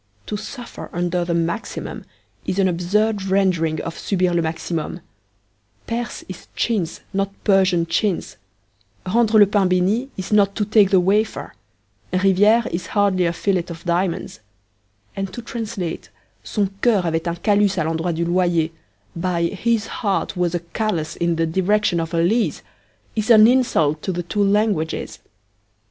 'To suffer under the Maximum' is an absurd rendering of 'subir le maximum'; 'perse' is 'chintz,' not 'Persian chintz'; 'rendre le pain benit' is not 'to take the wafer'; 'riviere' is hardly a 'fillet of diamonds'; and to translate 'son coeur avait un calus a l'endroit du loyer' by 'his heart was a callus in the direction of a lease' is an insult to two languages.